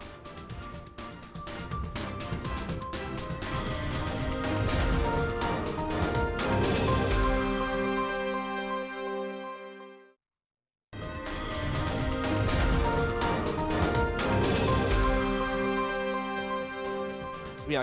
setelah ini kami akan mencoba